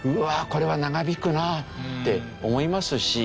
これは長引くなって思いますし。